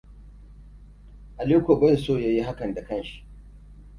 Aliko bai so yayi hakan da kanshi.